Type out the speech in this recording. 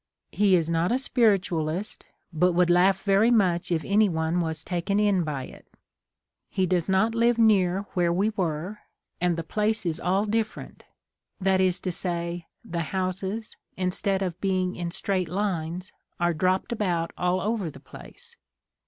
He is not a Spiritualist, but would laugh very much if anyone was taken in by it. He does not live near where we were, and the place is all different, i.e. the houses, instead of being in straight lines, are dropped about all over the place.